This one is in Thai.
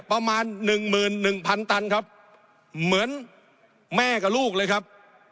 ประมาณหนึ่งหมื่นหนึ่งพันตันครับเหมือนแม่กับลูกเลยครับ